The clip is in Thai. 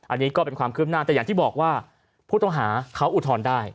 อันนี้ก็เป็นความคืบหน้าแต่อย่างที่บอกว่าผู้ต้องหาเขาอุทธรณ์ได้